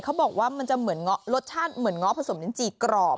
เขาบอกว่ามันจะเหมือนเงาะรสชาติเหมือนเงาะผสมลิ้นจีกรอบ